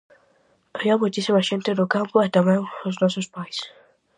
Había moitísima xente no campo e tamén os nosos pais.